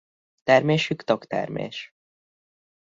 Termésük toktermés.